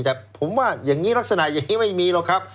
แต่ผมว่าอย่างนี้ลักษณะอย่างนี้ไม่มีหรอกครับ